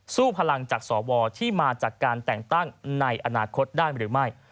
พลังจากสวที่มาจากการแต่งตั้งในอนาคตได้หรือไม่